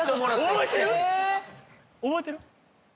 覚えてる？